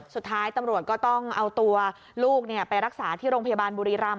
สุดท้ายตำรวจก็ต้องเอาตัวลูกไปรักษาที่โรงพยาบาลบุรีรำ